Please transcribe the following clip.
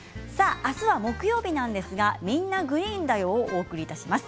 明日は木曜日なんですが「みんな！グリーンだよ」をお届けします。